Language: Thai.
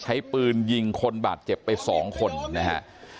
ใช้ปืนยิงคนบาดเจ็บไป๒คนนะฮะ